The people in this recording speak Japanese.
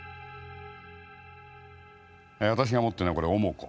私が持ってるのはこれ「重子」。